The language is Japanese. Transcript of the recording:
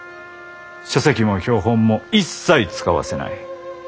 書籍も標本も一切使わせない。